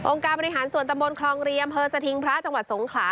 องค์การบริหารสวนตะบนคลองรีอำเภอสถิงพระจังหวัดสงขลา